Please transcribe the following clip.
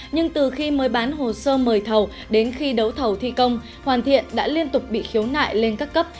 nhưng từ khi mới bán hồ sơ mời thầu đến khi đấu thầu thi công hoàn thiện đã liên tục bị khiếu nại lên các cấp